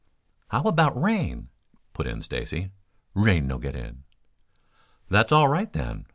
"How about rain?" put in Stacy. "Rain no get in." "That's all right, then.